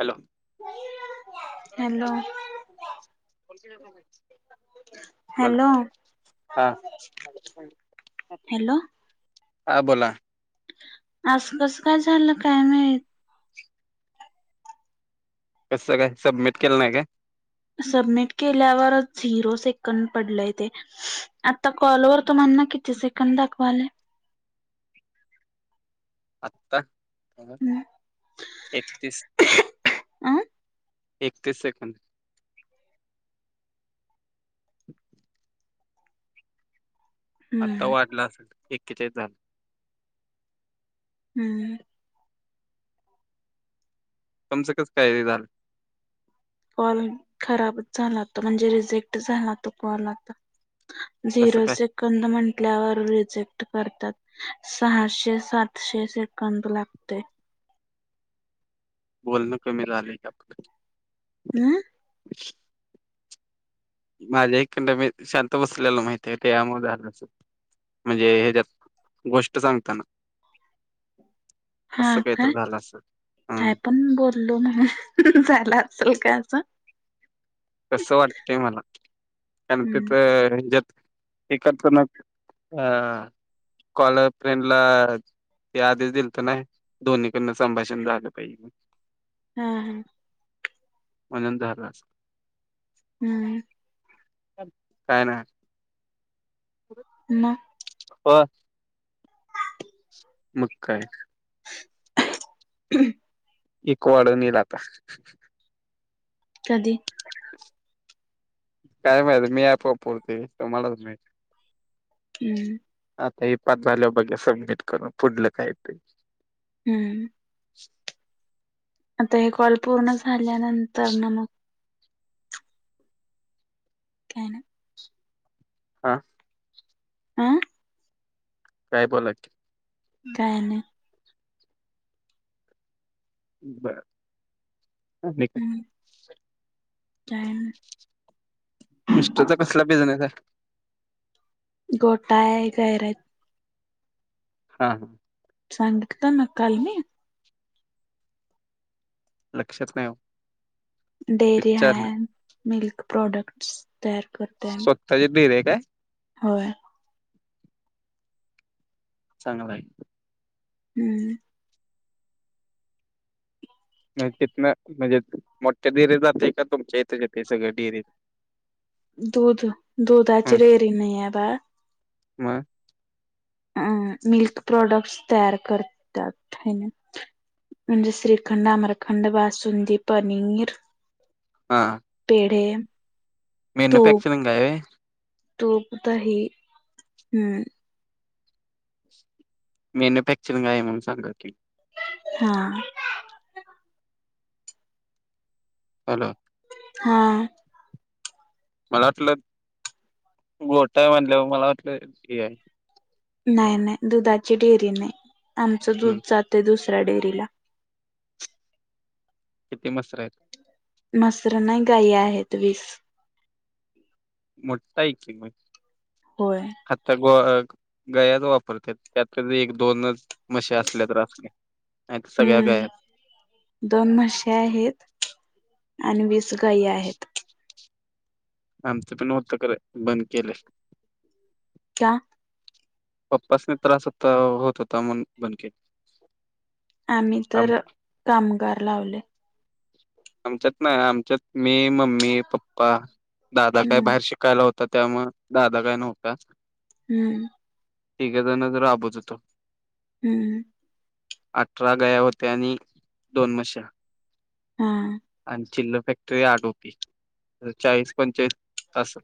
Hello! Hello बोला hello हा. Hello हा बोला. आसं कसं काय झालं काय माहित. कसं काय, सबमिट केलं नाय काय. सबमिट केल्यावर झिरो सेकंद पडलंय ते. आता कॉलवर तुम्हाना किती सेकंद दाखवालय. आत्ता एकतीस. आं एकतीस सेकंद. [inaudible] आत्ता हम्म वाढला, एक्केचाळीस झाला. हम्म. तुमचं कसं काय काय हे झालं. कॉल खराबच झालाता म्हणजे रिजेक्ट झाला तो कॉल आता. कसं झिरो काय सेकंद म्हटल्यावर रिजेक्ट करतात. सहाशे सातशे सेकंद लागतय. बोलणं कमी झालंय की आपलं. हम्म. माझ्या हिकंड मी शांत बसलेलो माहिती हाय, त्याच्यामुळं झालं असल. म्हणजे हच्यात, गोष्ट सांगताना. हा असं काहीतरी काय, झालं असेल हम्म काय पण बोललो म्हणून झालं असेल का असं. तसं वाटतय मला, [unintelligible] हम्म रंजक एकत्र ना, अ कॉल अ फ्रेंड ला ते आधीच दिलतं नाही, दोन्हीकडून संभाषण झालं पायजे. हा हा. म्हणून झालं असल. हम्म. काय नाय. [inaudible] मग होय. मग काय [inaudible] एक वाढून ईल आता. कधी? काय माहत, मी एप वापरतुय, तुम्हालाच माहित. हम्म. आत्ताही पाच झाल्याव बघूया सबमिट करून फुडलं काहीतरी. हम्म. आता हे कॉल पूर्ण झाल्यानंतर न मग काय नई. हा. हा? काय बोला की. काय नाही. बर, आणि काय. हम्म काय नई. मिस्टरचा कसला बिझनेस आहे? गोटा हाय, गैरं हाईत. हा हा सांगितलं ना काल मी? लक्षात नाही ओ. डेअरी हाय, विचारलं मिल्क प्रोडक्ट्स तयार करते. त्याच्यात बी राहाय काय? होय. चांगलय. हम्म. नाही तित्नं म्हणजे, मोठ्या डेरीत जातय का तुमच्या हितच येतंय सगळं डिरित? दूध दुधाची हम्म डेअरी नाहीये बाळ. मग? अ मिल्क प्रोडक्स तयार करतात हायना. म्हणजे श्रीखंड आम्रखंड, बासुंदी पनीर. हा. पेढे तूप मॅन्युफॅक्चरिंग आहे व्हय? तूप दही हम्म. मॅन्युफॅक्चरिंग आहे म्हणून सांगा की. हा हॅलो हा मला वाटलं, गोठा आहे म्हणल्यावर मला वाटलं ठीक हाय. नाही नाही दुधाची डेअरी नाही, आमचं हम्म दूध जातय दुसऱ्या डेअरीला. किती म्हसर आहेत? मसर नाही, गाई आहेत वीस. मोठं हाय की मग. होय आता गो अ, गयाच वापरतात त्यात कधी एक दोनच. मशी असल्या तर असतील नाहीतर सगळ्या हम्म गाय. दोन म्हशीया आहेत आणि वीस गाई आहेत. आमच पण होतं खरं बंद केल. का पप्पासनी त्रास होता होत होता म्हणून बंद केलं. आम्ही आम तर कामगार लावले. आमच्यात नाही आमच्यात मी मम्मी पप्पा दादा काय हम्म बाहेर शिक कायला होता त्यामुळं दादा काय नव्हता. हम्म तिघंजणच राबत होतो. हम्म अठरा गया होत्या आणि दोन म्हशा. हा आणि चिल्ल फॅक्टरी आठ होती तर चाळीस पंचाळीस तास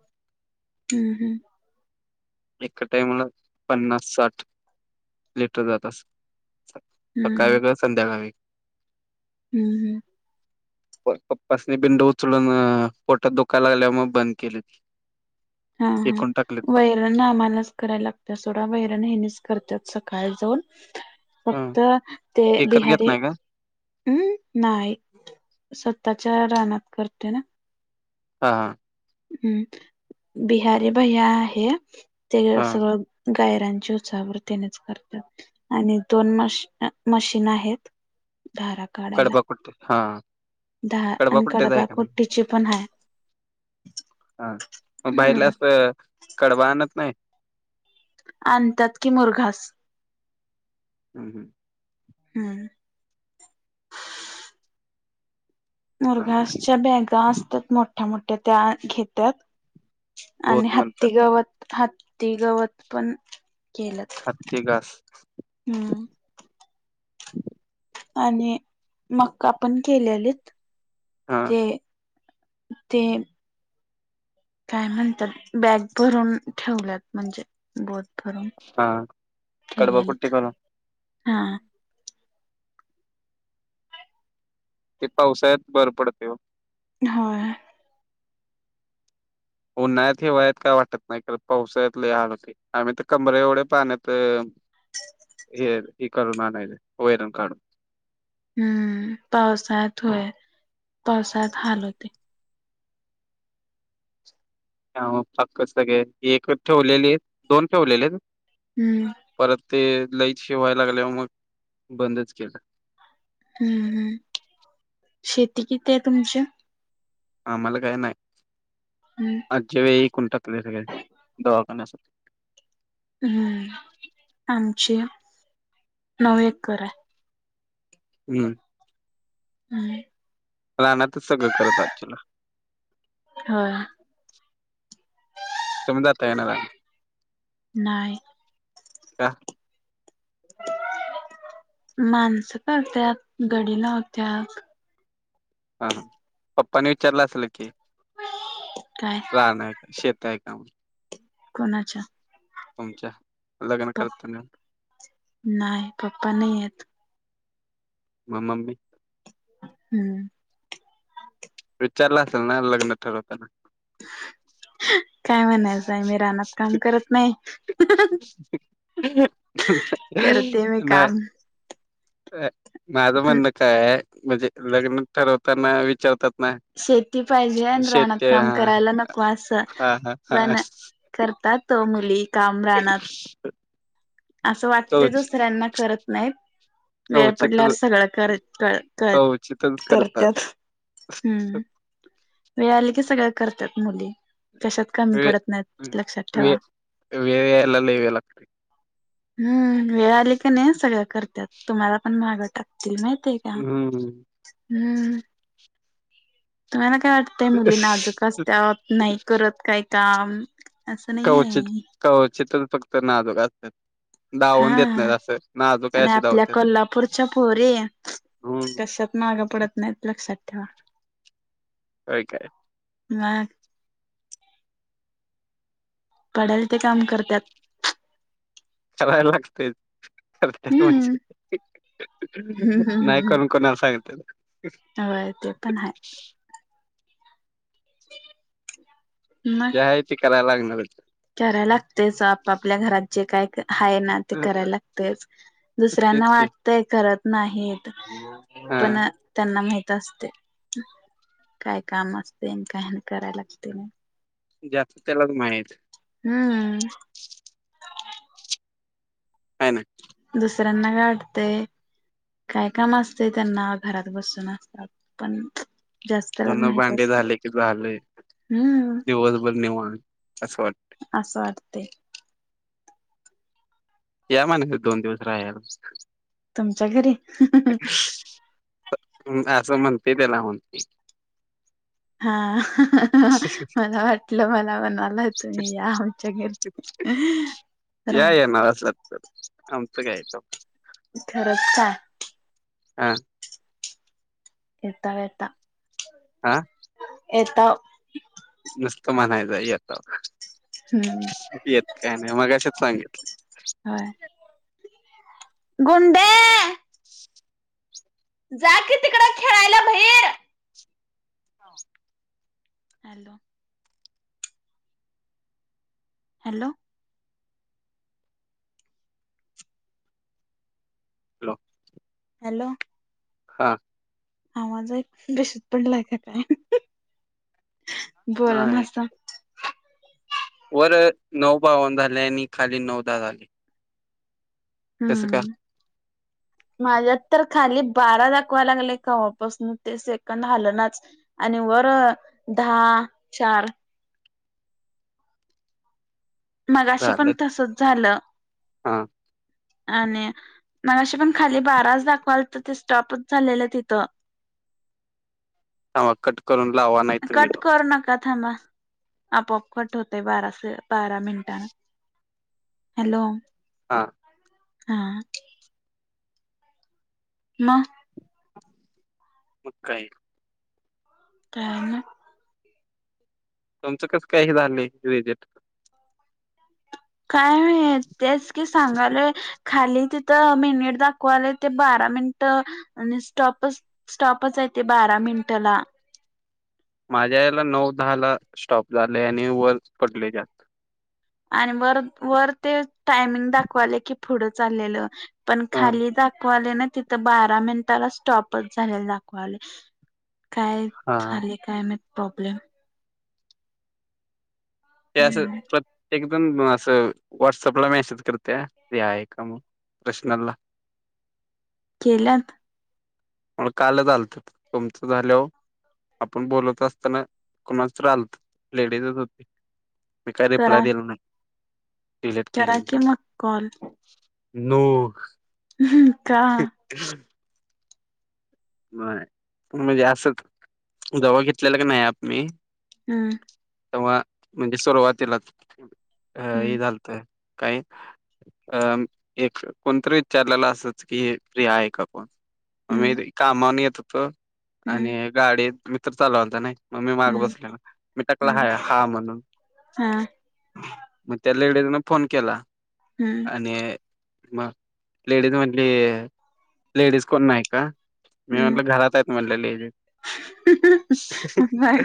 हम्म हम्म एका टाईमला पन्नास साठ लिटर जात अस सकाळं हम्म वेगळ संध्याकाळ वेगळ हम्म हम्म [unintelligible] पप्पापासनी बिंड उचलून पोटात दुखाय लागलावर मग बंद केलं की. हा हा व्हंय आम्हालाचं करायला लागतीया सोडा वैरण ह्यांनीच करतात सकाळ जाऊन. ह फक्त ते एकत घेत बिहारी, नाही का हम् नाही स्वतःच्या रानात करतो ना. हा हम् बिहारी भैया आहे ते हा सगळं गायरांची उचावरृतीनच करतात आणि दोन मशी मशीन आहेत. धारा, कडबा फुटी हा. धाआ आणि कुट्टेच कडबा आहे का नाही कुट्टीची पण हाय. हा मग हम्म बाईलाच कडबा आणत नाही? आणत्यात की मुरघास. हम्म हम्म हम्म मुरघासगच्या बॅगा असतात मोठ्या मोठ्या त्या घेत्यात. आणि भोत हत्ती म्हणतात त्याला गवत हत्ती गवत पण केल्यात. हत्ती घास. हम्म. आणि मका पण केलेलीत. हा. ते ते. काय म्हणतात बॅग भरून ठेवल्यात म्हणजे. बोध भरून हा कडवा ठेवलेलीत कुट्टी करून हा. ते पावसाळ्यात बर पडतंय ओ. नो होय. उन्हाळ्यात ठेवाय काय वाटतं नाही खरं पावसाळ्यात लई हाल होतंय. आम्ही तर कबर एवढ्या पाहण्यात. हे हे करून आणायचं वैरण काढून. हम्म पावसाळ्यात होय पावसाळ्यात हाल होतंय. अ पकं सगळे एक ठेवलेले, दोन ठेवलेले, हम्म परत ते लईट हे व्हाय लागल्या व मग बंदच केलं. हम्म हम्म, शेती किती आय तुमची.? आम्हाला काय नाय. हम्म. मागच्या वेळी विकून टाकलंय सगळं, दवाखान्या साठी. हम्म, आमची नऊ एकर हाय. हम्म. हम्म. रानातच सगळं करत आसशीला. होय. तुम्ही जाताय का नाही रानात.? नाही. का.? माणसं करत्यात, गडी लावत्यात. हा हा, पप्पानं विचारलं असल की काय.? राण हाय, शेत हाय का म्हणून कोणाच्या.? तुमच्या, लग्न करतानं. नाय, पप्पा नाहीयत‌. मग मम्मी? हम्म. विचारलं असल ना लग्न ठरवताना. ह. [unintelligible] काय म्हणायचंय, मी रानात काम करत नाही. हहह करते मी नाय‌. काम माझं म्हणणं कायय, म्हणजे लग्न ठरवताना विचारतात ना. शेती पाहिजे आणि रानात शेते काम हा करायला नको असं, हा हा हा पण करतात हो मुली काम रानात. असं वाटतंय कवच दुसऱ्यांना करत नाहीत. वेळ कवचित पडल्यावर सगळं कर क क कवचितच करतात करत्यात, हम्म. वेळ आली की सगळं करत्यात मुली. कशात कमी वे पडत नाहीत, लक्षात वे ठेवा. वेळ यायला लय वेळ लागते हम्म, वेळ आली का नाई सगळं करत्यात, तुम्हाला पण मागं टाकतील माहितय तीयका, हम्म हम्म, तुम्हाला काय वाट त्या मुली नाजूक असत्यात, नाही करत काय काम. असं कवचित, नाहीये कवचितच फक्त नाजूक असत्यात. हा, नाजूक आहे आणि अशी आपल्या धावतात कोल्हापूरच्या पोरी हम्म कशात माग पडत नाहीत, लक्षात ठेवा. होय काय. मग. पडल ते काम करत्यात. करायला लागतंयच, करत्यात हम्म. म्हजी, हम्म हम्म नाही हम्म हम्म. करून कुणाला सांगत्यात. होय ते पण हाय. जे हाय ते कराय लागणारच. कराय लागतेच आपापल्या घरात जे काय क आहे ना ते कराय लागतेच दुसऱ्यांना तेच की वाटतय करत नाही हा पण त्यांना माहित असते. काय काम असते न काहीन कराय लागते न. ज्याचं त्यालाच माईत. हम्म. हाय ना तरांना काय वाटते काय काम असतंय त्यांना घरात बसून असतात पण जास्तलाच धुणं माहित भांडे असतय. झाले की झालंय हम्म दिवसभर निवांत असं वाट असं वाटतंय. या म्हणायचं दोन दिवस राहायला्. तुमच्या घरी? असं म्हणते त्याला म्हणते. हा मला वाटलं मला म्हणालाय तुम्ही या आमच्या घरी. [unintelligible] या येनार असलात आमचं काय याच्या खरंच का? आं. येताव येता. आ. येताव. नुसतं म्हणायच येताव. हम्म. येत काय नाय मगाशेच सांगितलं. होय. गुंडे. [unintelligible] जा कि तिकडं खेळायला भईर. हॅलो हॅलो, लो हॅलो, हा. आवाज ऐकून बेशुद्ध पडलाय का काय, बोलानासा. वरं नऊ बावन झाले आणि खाली नऊ दा झाले. तसं हम्. [unintelligible] माझ्यात तर खाली बारा दाखवा लागले कव्हापासून ते सेकंद हालनाचं. आणि वरं दहा चार. मघाशी पण झालं तसंच झालं. हा. आणि, मगाशी पण खाली बाराच दाखवाल तर ते स्टॉपच झालेलं तिथं. हम्म कट. करून लावा ना. कट करू नका थांबा, आपोआप कट होतय बारा मिंटान. हॅलो! हा. हा. मग. मग काय? काय झालं. तुमचं कसं काय हे झालं एक्झिट. काय माहित? तेच की सांगायलो खाली ते तेथ मिनिट दाखवाले ते बारा मिनट, आणि स्टॉपच स्टॉपच हाय ते बारा मिनिटाला. माझ्या याला नऊ-दहा ला स्टॉप झालेय आणि वर पडले जास्त. आणि वर वर ते टायमिंग दाखवाले की पुढं चाललेलं. पण हा खाली दाखवाले ना तिथ. तर बारा मिनटाला स्टॉपच झालेला दाखवाले, काय हा हा झालंय? काय माहित प्रॉब्लेम? ते अस प्र हम्म प्रत्येक जण असं मेसेज करतोय व्हाट्सअप ला हे हाय का म्हणून पर्सनल ला. केल्यात. हो कालच आलतो, तुमचं झाल्यावर. आपुन बोलत असताना, कोणाचा तरी आलता लेडीजच हुति. मी काय रिप्लाय करा दिला नाय, डिलीट करा केलं.. की मग कॉल हॅलो. [unintelligible] [unintelligible] म्हणजे असं, जेव्हा घेतलेलं कनि ॲप मी हम्. तवा म्हणजे सुरुवातीला, हे हम्म झालंत, काय? अ एक कोणतरी विचारलेला असंच, की फ्री आहे का कोण? मी हम्म कामावरून येत होतो हम्म आणि, गाडी मित्र चालवता नई. मग मी माग हम्म बसलेला, मी टकला हम्म हाय हा म्हणून हा मग त्या लेडीज न फोन केला हम्म. आणि मग लेडीज म्हटली, लेडीज कोण नाय का? मी म्हटलं घरात आहेत म्हणलं हम्म लेडीज.